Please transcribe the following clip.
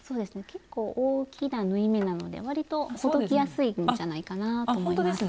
結構大きな縫い目なのでわりとほどきやすいんじゃないかなぁと思います。